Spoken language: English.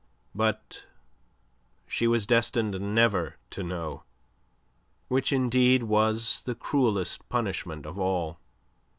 But she was destined never to know, which indeed was the cruellest punishment of all.